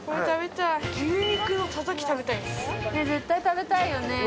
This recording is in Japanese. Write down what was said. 絶対食べたいよね。